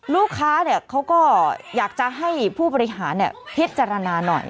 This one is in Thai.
ลูกค้าเขาก็อยากจะให้ผู้บริหารพิจารณาหน่อย